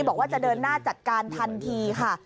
บอกว่าจะเดินหน้าจัดการทันทีค่ะ